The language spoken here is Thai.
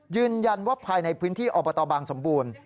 ยืนยันว่าภายในพื้นที่อบตบางสมบูรณ์